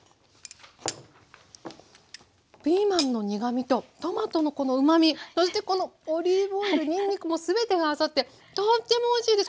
ピーマンの苦みとトマトのこのうまみそしてこのオリーブオイルにんにくも全てが合わさってとってもおいしいです。